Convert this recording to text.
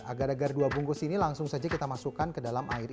agar agar dua bungkus ini langsung saja kita masukkan ke dalam air